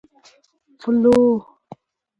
Follow